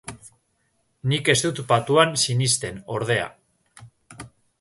Nik ez dut patuan sinisten, ordea.